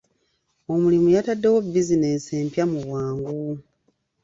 Omulimi yataddewo bizinensi empya mu bwangu.